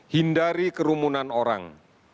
hindari kerumunan orang